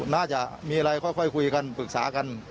น่าจะมีอะไรค่อยคุยกันปรึกษากัน